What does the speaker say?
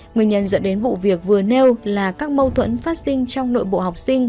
nguyên nhân dẫn đến vụ việc vừa nêu là các mâu thuẫn phát sinh trong nội bộ học sinh